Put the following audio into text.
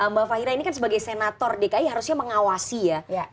mbak fahira ini kan sebagai senator dki harus juga melakukan apa apa ya